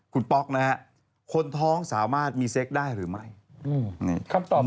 คุณป๊อกนะฮะคนท้องสามารถมีเซ็กได้หรือไม่นี่คำตอบ